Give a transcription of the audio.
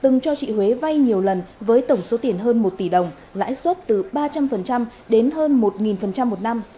nhiều lần với tổng số tiền hơn một tỷ đồng lãi suất từ ba trăm linh đến hơn một một năm